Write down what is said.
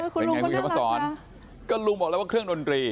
คุณลุงค่อนข้างนั้นสอนก็ลุงบอกแล้วว่าเครื่องดนตรีค่ะ